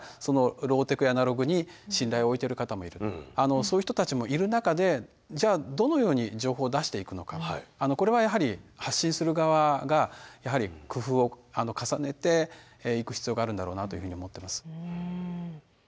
そういう人たちもいる中でじゃあどのように情報を出していくのかこれはやはり発信する側がやはり工夫を重ねていく必要があるんだろうなというふうに思ってます。